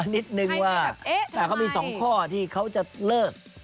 นิดนึงว่าเขามี๒ข้อที่เขาจะเลิก